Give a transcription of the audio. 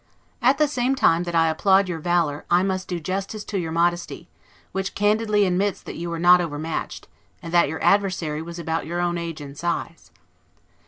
At the same time that I applaud your valor, I must do justice to your modesty; which candidly admits that you were not overmatched, and that your adversary was about your own age and size.